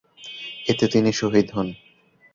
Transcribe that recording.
এতে তিনি শহীদ হোন।